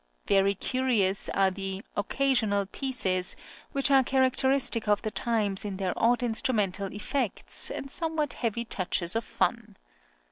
Very curious are the "Occasional Pieces" which are characteristic of the times, in their odd instrumental effects, and somewhat heavy touches of fun.